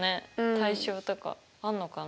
対称とかあんのかな？